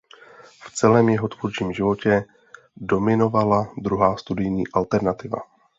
V celém jeho tvůrčím životě dominovala druhá studijní alternativa.